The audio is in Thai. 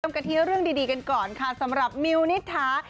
เตรียมกระเทียร์เรื่องดีกันก่อนค่ะสำหรับมิวนิธา